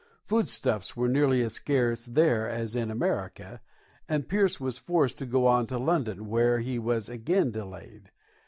Food stuffs were nearly as scarce there as in America, and Pierce was forced to go on to London, where he was again delayed.